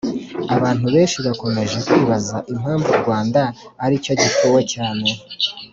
abantu benshi bakomeje kwibaza impamvu u rwanda ari cyo gituwe cyane